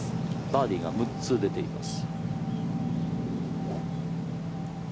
バーディーが６つ出ています。